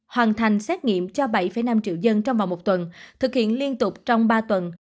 hoàn thành xét nghiệm cho bảy năm triệu dân trong vòng một tuần thực hiện liên tục trong ba tuần